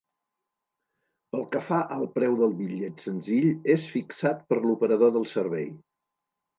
Pel que fa al preu del bitllet senzill és fixat per l'operador del servei.